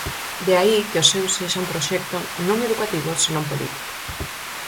De aí que o seu sexa un proxecto "non educativo, senón político".